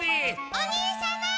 お兄様！